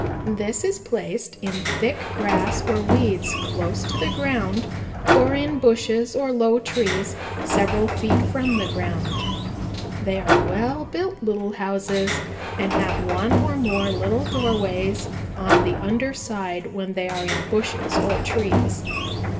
This is placed in thick grass or weeds close to the ground or in bushes or low trees several feet from the ground. "They are well built little houses and have one or more little doorways on the under side when they are in bushes or trees.